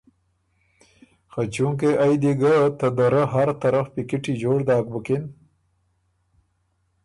خه چونکې ائ دی ګه ته دَرَۀ هر طرف پیکِټی جوړ داک بُکِن